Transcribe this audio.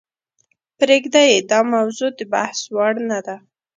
پریږده یې داموضوع دبحث وړ نه ده .